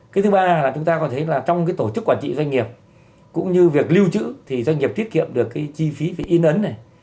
cái thứ ba là chúng ta có thể thấy là trong cái tổ chức quản trị doanh nghiệp cũng như việc lưu trữ thì doanh nghiệp tiết kiệm được cái chi phí về in ấn này